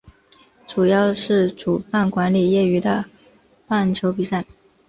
主要是主办管理业余的棒球比赛。